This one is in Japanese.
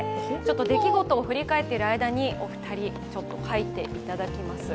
出来事を振り返っている間に、お二人書いていただきます。